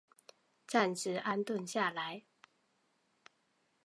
暂时安顿下来